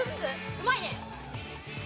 うまいね。